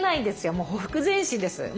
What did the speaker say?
もうほふく前進です。